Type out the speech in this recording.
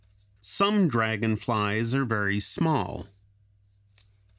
Some dragon flies are very small.